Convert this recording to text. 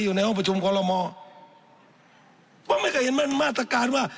อยู่ในห้องประชุมกรมว่าไม่เคยเห็นมันมาตรการว่า